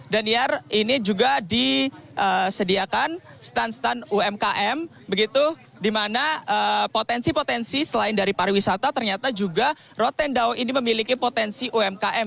daniar ini juga disediakan stand stand umkm begitu di mana potensi potensi selain dari pariwisata ternyata juga rotendao ini memiliki potensi umkm